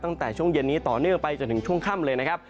ตั้งแต่ช่วงเย็นนี้ต่อเนื่องไปจนถึงช่วงค่ำเลยนะครับ